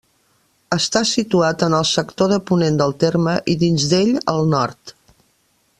Està situat en el sector de ponent del terme, i dins d'ell, al nord.